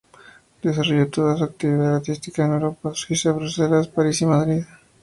Desarrolló toda su actividad artística en Europa: Suiza, Bruselas, París y Madrid.